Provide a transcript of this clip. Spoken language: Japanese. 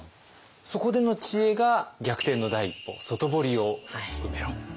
そこでの知恵が「逆転の第一歩外堀を埋めろ！」。